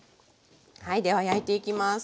はいでは焼いていきます。